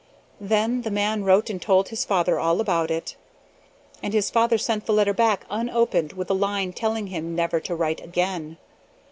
Then the man wrote and told his father all about it; and his father sent the letter back unopened with a line telling him never to write again.